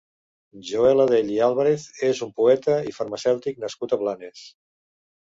Joan Adell i Àlvarez és un poeta i farmacèutic nascut a Blanes.